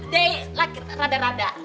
they like rada rada